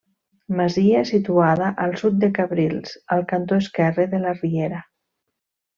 Masia situada al sud de Cabrils al cantó esquerre de la riera.